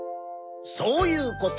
そういうこと！